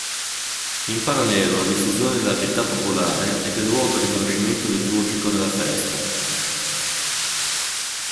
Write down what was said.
In parallelo alla diffusione della pietà popolare ebbe luogo il riconoscimento liturgico della festa.